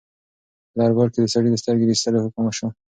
په دربار کې د سړي د سترګې د ایستلو حکم وشو.